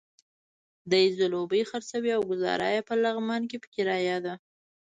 دی ځلوبۍ خرڅوي او ګوزاره یې په لغمان کې په کرايه ده.